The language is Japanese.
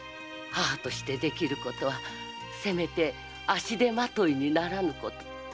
母としてできることはせめて足手まといにならぬこと。